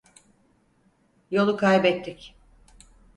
Yolu kaybettik!